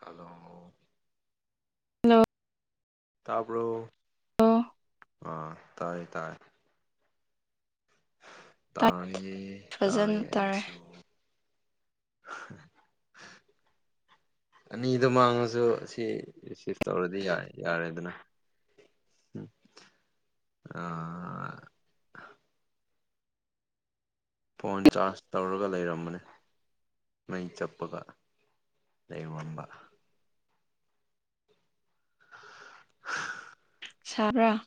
hello hello ꯇꯕꯣ ꯑꯥ ꯇꯥꯏ ꯇꯥꯏ ꯇꯥꯔꯛꯑ ꯐꯖꯅ ꯇꯥꯔꯛꯑꯦ ꯇꯥꯔꯦ ꯑꯩꯁꯨ [inaudible] ꯑꯅꯤꯗꯣ ꯃꯥꯡꯉꯁꯨ ꯑꯁꯤ ꯔꯤꯁꯤꯞ ꯇꯧꯔꯗꯤ ꯌꯥꯔꯦꯗꯅ ꯑ ꯐꯣꯟ ꯆꯥꯔꯖ ꯇꯧꯔꯒ ꯂꯩꯔꯝꯕꯅꯦ ꯃꯩ ꯆꯞꯄꯒ ꯂꯩꯔꯝꯕ ꯁꯥꯔ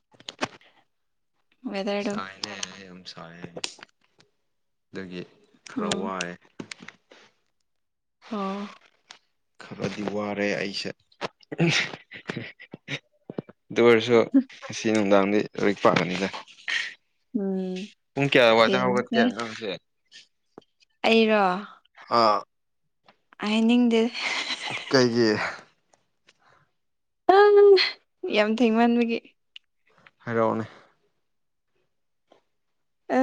ꯁꯥꯏꯅꯦ ꯌꯥꯝ ꯁꯥꯏ ꯑꯗꯒꯤ ꯈꯔ ꯎꯝ ꯋꯥꯑꯦ ꯑꯣ ꯈꯔꯗꯤ ꯋꯥꯔꯦ ꯑꯩꯁꯦ ꯑꯗꯨ ꯑꯣꯏꯔꯁꯨ ꯉꯁꯤ ꯅꯨꯡꯗꯥꯡꯗꯤ ꯂꯣꯏ ꯄꯥꯛꯉꯅꯤꯗ ꯎꯝ ꯄꯨꯡ ꯀꯌꯥ ꯋꯥꯗ ꯍꯧꯒꯠ ꯌꯦꯡꯁꯦ ꯀꯌꯥ ꯅꯁꯦ ꯑꯩꯔꯣ ꯑꯥ ꯍꯥꯏꯅꯤꯡꯗꯦ ꯀꯩꯒꯤ ꯑꯪ ꯌꯥꯝ ꯊꯦꯡ ꯃꯥꯟꯕꯒꯤ ꯍꯥꯏꯔꯛꯑꯣꯎꯅꯦ ꯎ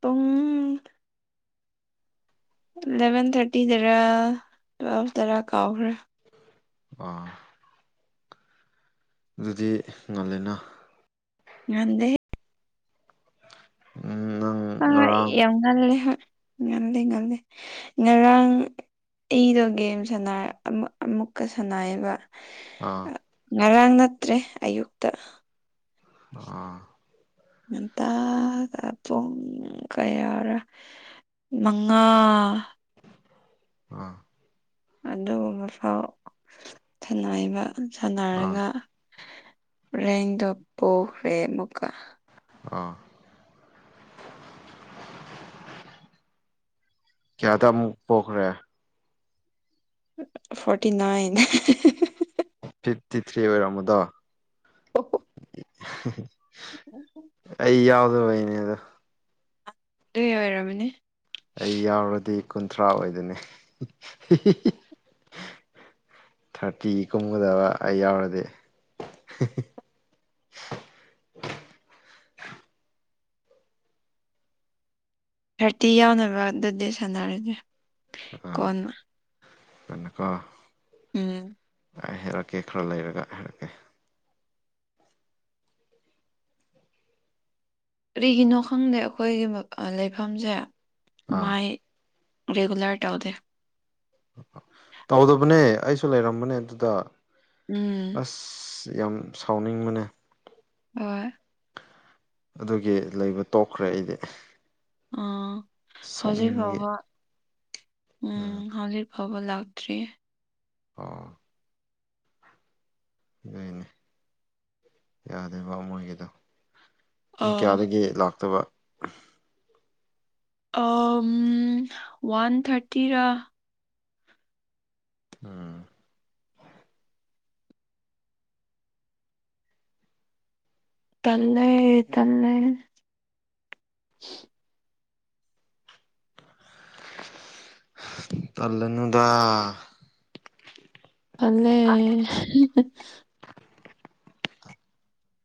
ꯄꯨꯡ ꯏꯂꯚꯦꯟ ꯊꯥꯔꯇꯤꯗꯔ ꯇ꯭ꯋꯦꯜꯐꯇꯔꯥ ꯀꯥꯎꯈ꯭ꯔꯦ ꯑꯥ ꯑꯗꯨꯗꯤ ꯉꯥꯜꯂꯦꯅ ꯉꯟꯗꯦ ꯎꯝ ꯅꯪ ꯑ ꯉꯔꯥꯡ ꯌꯥꯝ ꯉꯜꯂꯦ ꯍ ꯉꯜꯂꯦ ꯉꯜꯂꯦ ꯉꯔꯥꯡ ꯑꯩꯗꯣ ꯒꯦꯝ ꯁꯅꯔ ꯑꯃ ꯑꯃꯨꯛꯀ ꯁꯥꯟꯅꯏꯌꯦꯕ ꯑꯥ ꯉꯔꯥꯡ ꯅꯠꯇ꯭ꯔꯦ ꯑꯌꯨꯛꯇ ꯑꯥ ꯉꯇꯥꯒ ꯄꯨꯡ ꯀꯌꯥꯔꯥ ꯃꯉꯥ ꯑꯥ ꯑꯗꯨꯒꯨꯝꯕ ꯐꯥꯎ ꯁꯅꯥꯏꯕ ꯑꯥ ꯁꯥꯟꯅꯔꯒ ꯔꯦꯟꯗ ꯄꯣꯈꯔꯦꯃꯨꯒꯥ ꯑꯥ ꯀꯌꯥ ꯇ ꯑꯃꯨꯛ ꯄꯣꯈ꯭ꯔꯦ ꯐꯣꯔꯇꯤ ꯅꯥꯏꯟ ꯐꯤꯐꯇꯤ ꯊ꯭ꯔꯤ ꯑꯣꯏꯔꯝꯃꯗꯣ [unintelligible] [inaudible] [inaudible] ꯑꯩ ꯌꯥꯎꯗꯕꯩꯅꯦ ꯑꯗꯣ ꯑꯗꯨ ꯑꯣꯏꯔꯝꯃꯤꯅꯤ ꯑꯩ ꯌꯥꯎꯔꯗꯤ ꯀꯨꯟꯊ꯭ꯔꯥ ꯑꯣꯏꯗꯅꯤ ꯊꯥꯔꯇꯤ ꯀꯨꯝꯒꯗꯕ ꯑꯩ ꯌꯥꯎꯔꯗꯤ ꯊꯥꯔꯇꯤ ꯌꯥꯎꯅꯕ ꯑꯗꯨꯗꯤ ꯁꯥꯟꯅꯔꯁꯦ ꯑ ꯀꯣꯟꯅ ꯀꯅꯀꯣ ꯎꯝ ꯍꯥꯏꯔꯛꯀꯦ ꯈꯔ ꯂꯩꯔꯒ ꯍꯥꯏꯔꯛꯀꯦ ꯀꯔꯤꯒꯤꯅꯣ ꯈꯪꯗꯦ ꯑꯩꯈꯣꯏꯒꯤ ꯂꯩꯐꯝꯁꯦ ꯑꯥ ꯃꯥꯏ ꯔꯤꯒꯨꯂꯔ ꯇꯧꯗꯦ ꯇꯧꯗꯕꯅꯦ ꯑꯩꯁꯨ ꯂꯩꯔꯝꯕꯅꯦ ꯑꯗꯨꯗ ꯎꯝ ꯑꯁ ꯌꯥꯝ ꯁꯥꯎꯅꯤꯡꯕꯅꯦ [unintelligible] ꯑꯗꯨꯒꯤ ꯂꯩꯕ ꯇꯣꯛꯈ꯭ꯔꯦ ꯑꯩꯗꯤ ꯑꯪ ꯍꯧꯖꯤꯛ ꯁꯥꯎꯅꯤꯡꯕꯒꯤ ꯐꯥꯎꯕ ꯎꯝ ꯍꯖꯤꯛ ꯐꯥꯑꯣꯕ ꯂꯥꯛ꯭ꯔꯔꯤ ꯑꯣ ꯑꯗꯨꯏꯅꯦ ꯌꯥꯗꯦ ꯃꯣꯏꯒꯤꯗꯣ ꯄꯨꯡ ꯑꯥ ꯀꯌꯥꯗꯒꯤ ꯂꯥꯛꯇꯕ [unintelligible] ꯋꯥꯟ ꯊꯔꯇꯤ ꯔ ꯎꯝ ꯇꯜꯂꯦ ꯇꯜꯂꯦ ꯇꯜꯂꯅꯨꯗ ꯐꯂꯦ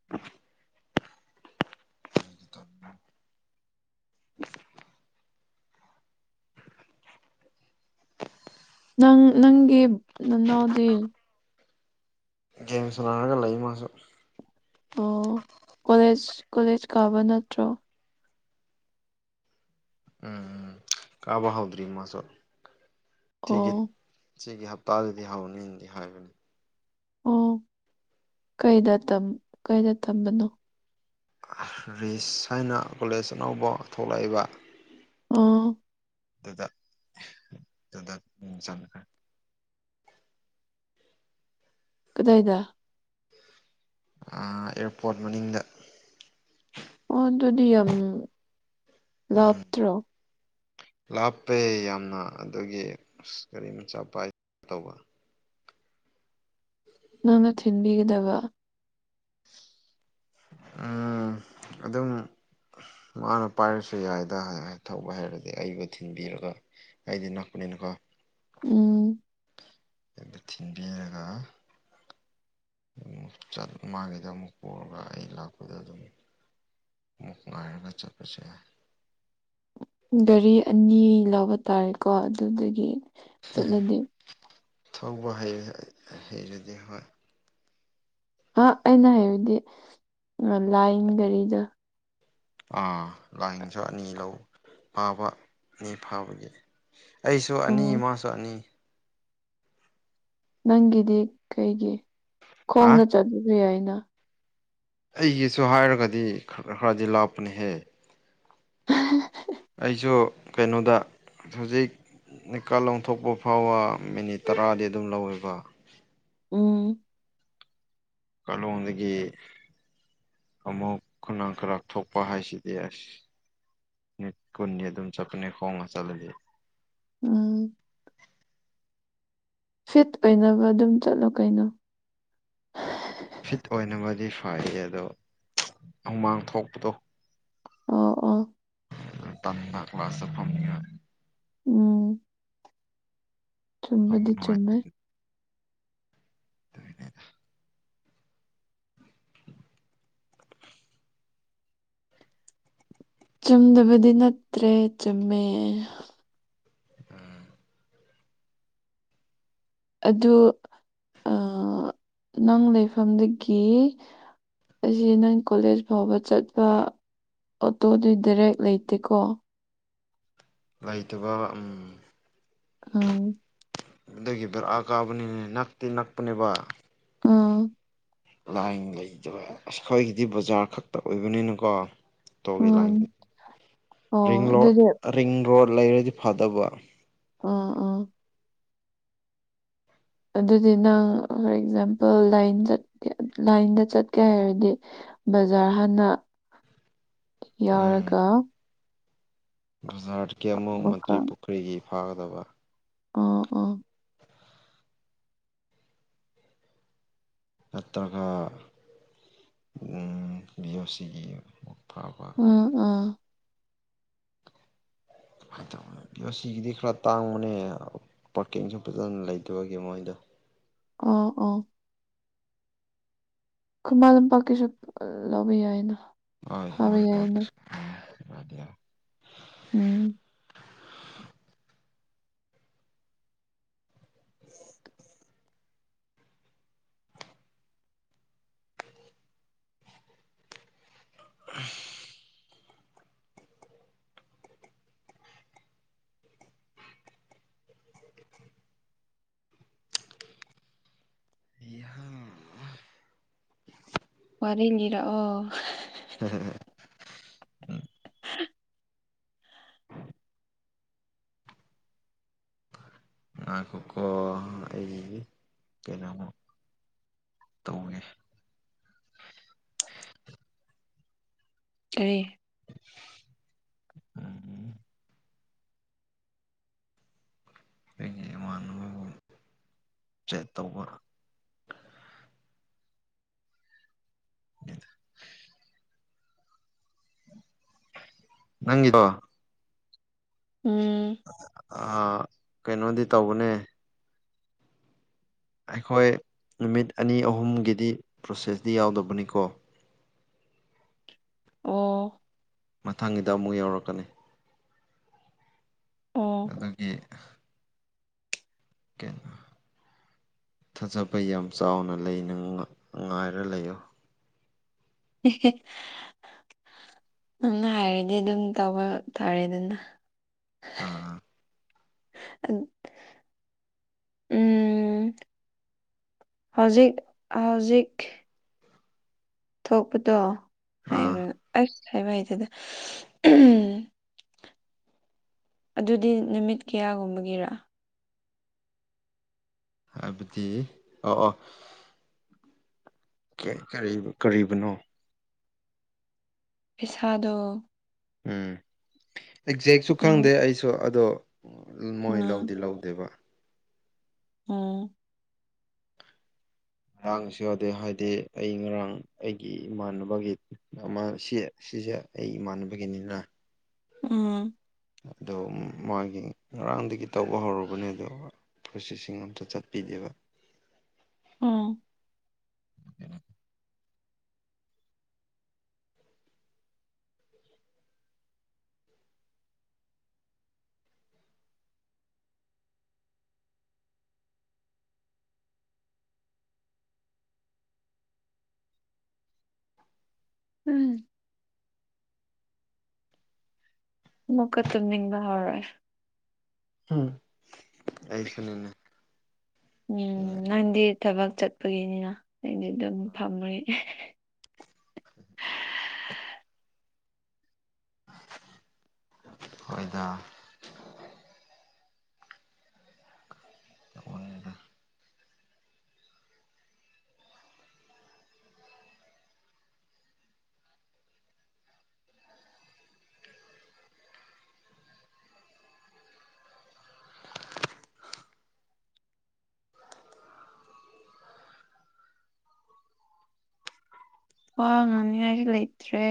[inaudible] [inaudible] [inaudible] ꯅꯪ ꯅꯪꯒꯤ ꯅꯅꯥꯎꯗꯤ ꯒꯦꯝ ꯁꯥꯟꯅꯔꯒ ꯂꯩ ꯃꯥꯁꯨ ꯑꯣ ꯀꯣꯂꯦꯖ ꯀꯣꯂꯦꯖ ꯀꯥꯕ ꯅꯠꯇ꯭ꯔꯣ ꯎꯝ ꯀꯥꯕ ꯍꯥꯎꯗ꯭ꯔꯤꯃꯁꯜ ꯁꯤꯤꯒꯤ ꯑꯣ ꯆꯒꯤ ꯍꯞꯇꯥꯗꯗꯤ ꯍꯧꯅꯤꯅꯗꯤ ꯍꯥꯏꯕꯅꯤ ꯑꯣ ꯀꯩꯗ ꯀꯩꯗ ꯇꯝꯕꯅꯣ ꯔꯤꯁ ꯍꯥꯏꯅ ꯀꯣꯂꯦꯖ ꯑꯅꯧꯕ ꯊꯣꯛꯂꯛꯏꯕ ꯑꯪ ꯗꯨꯗꯥ ꯗꯨꯗ ꯆꯠꯄ ꯀꯗꯥꯏꯗ ꯑꯦꯌꯔꯄꯣꯔꯠ ꯃꯅꯤꯡꯗ ꯑꯣ ꯑꯗꯨꯗꯤ ꯌꯥꯝ ꯎꯝ ꯂꯥꯞꯇ꯭ꯔꯣ ꯂꯥꯞꯄꯦ ꯌꯥꯝꯅ ꯑꯗꯨꯒꯤ ꯑ ꯀꯔꯤ ꯃꯆꯥ ꯄꯥꯏ ꯇꯧꯕ [inaudible] ꯅꯪꯅ ꯊꯤꯟꯕꯤꯒꯗꯕ ꯎꯝ ꯑꯗꯨꯝ ꯃꯥꯅ ꯄꯥꯏꯔꯁꯨ ꯌꯥꯏꯗ ꯊꯧꯕ ꯍꯥꯏꯩꯔꯗꯤ ꯑꯩꯕꯨ ꯊꯤꯟꯕꯤꯔꯒ ꯑꯩꯗꯤ ꯅꯄꯅꯤꯅꯀꯣ ꯎꯝ ꯊꯤꯟꯕꯤꯔꯒ ꯆꯠ ꯃꯥꯒꯤꯗ ꯑꯃꯨꯛ ꯄꯨꯔꯒ ꯑꯩ ꯂꯥꯛꯄꯗ ꯑꯗꯨꯝ ꯑꯃꯨꯛ ꯉꯥꯏꯔꯒ ꯆꯠꯄꯁꯨ ꯌꯥꯏ ꯒꯥꯔꯤ ꯑꯅꯤ ꯂꯧꯕ ꯇꯥꯔꯦꯀꯣ ꯑꯗꯨꯗꯒꯤ ꯆꯠꯂꯗꯤ ꯊꯧꯕ ꯍꯩ ꯍꯩꯔꯗꯤ ꯍꯣꯏ ꯑꯩꯅ ꯍꯥꯏꯕꯗꯤ ꯂꯥꯏꯟ ꯒꯥꯔꯤꯗ ꯥ ꯂꯥꯏꯟꯁ ꯑꯅꯤ ꯂꯧ ꯐꯥꯕꯅꯤ ꯐꯥꯕꯒꯤ ꯑꯩꯁꯨ ꯑꯅꯤ ꯑꯣ ꯃꯥꯁꯨ ꯑꯅꯤ ꯅꯪꯒꯤꯗꯤ ꯀꯩꯒꯤ ꯍꯥ ꯈꯣꯡꯅ ꯆꯠꯂꯨ꯭ꯔꯤ ꯍꯥꯏꯅ ꯑꯩꯒꯤꯁꯨ ꯍꯥꯏꯔꯒꯗꯤ ꯈꯔ ꯈꯔꯗꯤ ꯂꯥꯛꯞꯄꯅꯤꯍꯦ [unintelligible] ꯑꯩꯁꯨ ꯀꯩꯅꯣꯗ ꯍꯧꯖꯤꯛ ꯅꯤꯀꯥ ꯂ ꯂꯧꯊꯣꯛꯄ ꯐꯥꯎꯕ ꯃꯤꯅꯤꯠ ꯇꯔꯥꯗꯤ ꯑꯗꯨꯝ ꯂꯧꯋꯦꯕ ꯎꯝ ꯀꯥꯂꯣꯡꯗꯒꯤ ꯑꯃꯨꯛ ꯈꯨꯅꯥꯡ ꯈꯔꯥꯛ ꯊꯣꯛꯄ ꯍꯥꯏꯁꯤꯗꯤ ꯑꯁ ꯅꯤꯠ ꯀꯨꯟꯅꯤ ꯑꯗꯨꯝ ꯆꯠꯄꯅꯦ ꯈꯣꯡꯉ ꯆꯠꯂꯗꯤ ꯎꯝ ꯐꯤꯠ ꯑꯣꯏꯅꯕ ꯑꯗꯨꯝ ꯆꯠꯂꯣ ꯀꯩꯅꯣ ꯐꯤꯠ ꯑꯣꯏꯅꯕꯗꯤ ꯐꯩ ꯑꯗꯣ ꯍꯨꯃꯥꯡ ꯊꯣꯛꯄꯗꯣ ꯑꯣ ꯑꯣ ꯇ ꯀ꯭ꯂꯥꯁꯥꯁ ꯐꯝ ꯎꯝ ꯐꯝꯕ ꯆꯨꯝꯕꯗꯤ ꯆꯨꯝꯃꯦ ꯅꯨꯡꯉꯥꯏꯇꯕꯅꯦ ꯂꯣꯏꯗꯦꯗꯥ ꯆꯨꯝꯗꯕꯗꯤ ꯅꯠꯇ꯭ꯔꯦ ꯆꯨꯝꯃꯦ ꯎꯝ ꯑꯗꯨ ꯅꯪ ꯂꯩꯐꯝꯗꯒꯤ ꯑꯩꯁ ꯅꯪ ꯀꯣꯂꯦꯖ ꯐꯥꯎꯕ ꯆꯠꯄ ꯑꯣꯇꯣꯗꯤ ꯗꯥꯏꯔꯦꯛ ꯂꯩꯇꯦꯀꯣ ꯂꯩꯇꯕ [unintelligible] ꯑꯗꯨꯗꯒꯤ ꯕꯔꯥ ꯀꯥꯕꯅꯤꯅ ꯅꯛꯇꯦ ꯅꯛꯄꯅꯦꯕ ꯎꯝ ꯂꯥꯏꯟ ꯂꯩꯇꯕ ꯑꯩꯈꯣꯏꯒꯤꯗꯤ ꯕꯖꯥꯔ ꯈꯛꯇ ꯑꯣꯏꯕꯅꯤꯅꯀꯣ ꯣ ꯂꯣ ꯎꯝ [unintelligible] ꯑꯣ ꯔꯤꯡ ꯔꯣꯗ ꯑꯗꯨꯗꯤ ꯔꯤꯡ ꯂꫭꯠ ꯂꯩꯔꯗꯤ ꯐꯗꯕ ꯎꯝ ꯎꯝ ꯑꯗꯨꯗꯤ ꯅꯪ ꯐꯣꯔ ꯑꯦꯛꯖꯥꯝꯄꯜ ꯂꯥꯏꯟ ꯆꯠꯀꯦ ꯂꯥꯏꯟꯗ ꯆꯠꯀꯦ ꯍꯥꯏꯔꯗꯤ ꯕꯖꯥꯔ ꯍꯥꯟꯅ ꯎꯝ ꯌꯥꯎꯔꯒ ꯕꯖꯥꯔꯗꯒꯤ ꯑꯃꯨꯛ ꯑꯃꯨꯛꯀ ꯃꯟꯇ꯭ꯔꯤ ꯄꯨꯈ꯭ꯔꯤꯒꯤ ꯐꯥꯒꯗꯕ ꯑꫭ ꯑꯣ ꯅꯠꯇ꯭ꯔꯒ ꯎꯝ ꯚꯤ ꯑꯣ ꯁꯤꯒꯤ ꯑꯃꯨꯛ ꯐꯕ ꯎꯝ ꯎꯝ ꯑꯗꯨꯃꯥꯏ ꯇꯧꯕꯅ‌ꯦ ꯕꯤꯑꫭꯁꯤꯒꯤꯗꯤ ꯈꯔ ꯇꯥꯡꯕꯅꯦ ꯄꯥꯔꯀꯤꯡꯁꯨ ꯐꯖꯅ ꯂꯩꯇꯕꯒꯤ ꯃꯣꯏꯗ ꯑꫭ ꯑꯣ ꯈꯨꯃꯟ ꯂꯝꯄꯥꯛꯀꯤꯁꯨ ꯂꯧꯕ ꯌꯥꯏꯗꯥ ꯍ ꯍꯃ ꯄ [unintelligible] ꯎꯝ [unintelligible] ꯏꯍ [unintelligible] ꯋꯥꯔꯤꯂꯤꯔꯛ ꯑꯣ ꯍꯝ ꯍ [unintelligible] [unintelligible] ꯉꯥꯏꯈꫭꯀꯣ ꯑꯩ ꯀꯩꯅꯣꯃ ꯇꯧꯒ‌ꯦ ꯀꯔꯤ ꯎꯝ ꯑꯩꯒꯤ ꯆꯦꯛ ꯇꯧꯕ ꯅꯪꯒꯤꯗꫭ ꯎꯝ ꯑꯥ ꯀꯩꯅꯣꯗꯤ ꯇꯧꯕꯅꯦ ꯑꯩꯈꯣꯏ ꯅꯨꯃꯤꯠ ꯑꯅꯤ ꯑꯍꯨꯝꯒꯤꯗꯤ ꯄ꯭ꯔꯣꯁꯦꯁꯇꯤ ꯌꯥꯎꯗꯕꯅꯤꯀꯣ ꯑꯣ ꯃꯊꯪꯒꯤꯗ ꯑꯃꯨꯛ ꯌꯧꯔꯛꯀꯅꯤ ꯑꯣ ꯑꯗꯨꯒꯤ ꯀꯩꯅꯣ ꯊꯥꯖꯕ ꯌꯥꯝ ꯆꯥꯎꯅ ꯂꯩꯅ ꯉꯥꯏꯔ ꯂꯩꯌꯨ ꯍ [unintelligible] ꯅꯪꯅ ꯍꯥꯏꯔꯗꯤ ꯑꯗꯨꯝ ꯇꯧꯕ ꯇꯥꯔꯦꯗꯅꯥ ꯑꯥ ꯑ [unintelligible] ꯎꯝ ꯍꯧꯖꯤꯛ ꯍꯧꯖꯤꯛ ꯊꯣꯛꯄꯗꯣ ꯑꯥ ꯍꯥꯏꯔꯣꯏ ꯑꯁ ꯍꯥꯏꯕ ꯍꯩꯇ‌ꯦꯗ ꯑꯗꯨꯗꯤ ꯅꯨꯃꯤꯠ ꯀꯌꯥꯒꯨꯝꯕꯒꯤꯔꯥ ꯍꯥꯏꯕꯗꯤ ꯑꯣ ꯑꯣ ꯀꯔꯤꯕꯨꯅꯣ ꯄꯁꯥꯗꯣ ꯎꯝ ꯑꯦꯛꯖꯦꯛꯁꯨ ꯈꯪꯗꯦ ꯅꯨꯃꯤꯠ ꯑꯩꯁꯨ ꯑꯗꯣ ꯃꯣꯏ ꯎꯝ ꯂꯧꯗꯤ ꯂꯧꯗꯦꯕ ꯎꯝ ꯉꯔꯥꯡꯁꯨ ꯌꯥꯗꯦ [unintelligible] ꯍꯥꯏꯗꯤ ꯑꯩ ꯉꯔꯥꯡ ꯑꯩꯒꯤ ꯏꯃꯥꯟꯅꯕꯒꯤ ꯑꯃ ꯁꯤ ꯁꯤꯁꯦ ꯑꯩ ꯏꯃꯥꯟꯅꯕꯒꯤꯅꯤꯅ ꯎꯝ ꯑꯗꫭ ꯃꯥꯒꯤ ꯉꯔꯥꯡꯗꯒꯤ ꯇꯧꯕ ꯍꯧꯔꯨꯕꯅꯦ ꯑꯗꯣ ꯄꯔꫭꯁꯤꯁꯤꯡ ꯑꯝꯇ ꯆꯠꯄꯤꯗꯦꯕ ꯎꯝ [inaudible] ꯎꯝ ꯃꯨꯀ ꯇꯨꯝꯅꯤꯡꯕ ꯍꯧꯔꯦ ꯎꯝ ꯑꯩꯁꯨꯅꯤꯅꯦ ꯎꯝ ꯅꯪꯗꯤ ꯊꯕꯛ ꯆꯠꯄꯒꯤꯅꯤꯅ ꯑꯩꯗꯤ ꯑꯗꯨꯝ ꯐꯝꯃꯦ [unintelligible] ꯍꯣꯏꯗ [unintelligible] ꯋꯥ ꯉꯥꯅꯤꯉꯥꯏꯁꯨ ꯂꯩꯇ꯭ꯔꯦ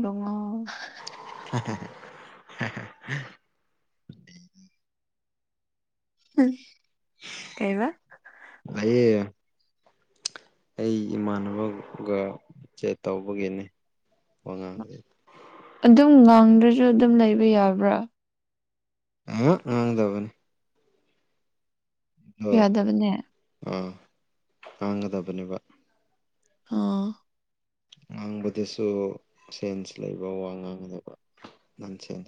ꯂꯨꯡꯉꯣ ꯍ ꯍ ꯎꯝ ꯀꯩꯕꯥ ꯑꯩꯌꯦ ꯑꯩ ꯏꯃꯥꯟꯅꯕꯒ ꯆꯦ ꯇꯧꯕꯒꯤꯅꯤ ꯋꯥꯉꯥꯡꯗ ꯑꯗꯨꯝ ꯉꯥꯡꯗ꯭ꯔꯁꯨ ꯑꯗꯨꯝ ꯂꯩꯕ ꯌꯥꯕ꯭ꯔꯥ ꯑ ꯉꯥꯡꯗꯕꯅꯤ ꯑꯗꯣ ꯌꯥꯗꯕꯅꯦ ꯑꯥ ꯇꯥꯡꯒꯗꯕꯅꯦꯕ ꯑ ꯉꯥꯡꯕꯗꯁꯨ ꯁꯦꯟꯁ ꯂꯩꯕ ꯋꯥ ꯉꯥꯡꯒꯗꯕ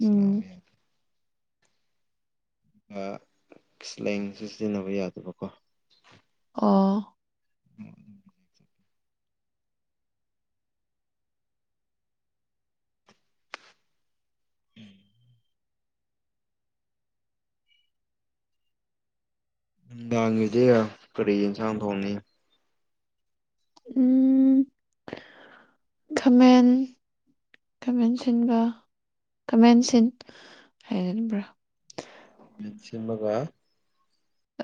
ꯎꯝ ꯂꯦꯡꯁ ꯁꯤꯖꯤꯟꯅꯕ ꯌꯥꯗꯦ ꯑꯥ [inaudible] [inaudible] ꯅꯨꯡꯗꯥꯡꯒꯤꯗꯤ ꯀꯔꯤ ꯌꯦꯟꯁꯥꯡ ꯊꯣꯡꯅꯤ ꯎꯝ ꯈꯥꯃꯦꯟ ꯀꯥꯃꯦꯟ ꯁꯤꯟꯕ ꯀꯃꯦꯟ ꯁꯤꯟ ꯍꯥꯏꯒꯅꯤꯡꯕ꯭ꯔꯥ ꯃꯁꯤꯃꯒ